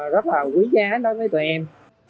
rất là quý giá với tụi em